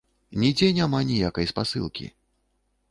Нідзе няма ніякай спасылкі!